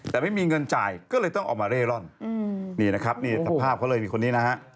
แล้วถ้าเกิดเป็นลูกเป็นหลานอะไร